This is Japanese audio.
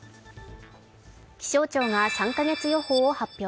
気象庁が３カ月予報を発表